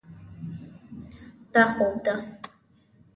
دا خوب ده.